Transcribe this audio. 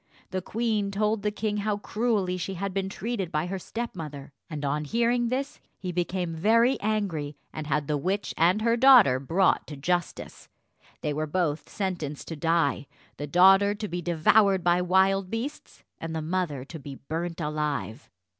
The queen told the king how cruelly she had been treated by her stepmother, and on hearing this he became very angry, and had the witch and her daughter brought to justice. They were both sentenced to die the daughter to be devoured by wild beasts, and the mother to be burnt alive.